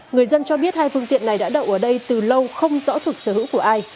người dân cho biết hai phương tiện này đã đậu ở đây từ lâu không rõ thuộc sở hữu của ai